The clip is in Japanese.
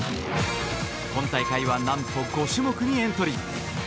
今大会は何と５種目にエントリー。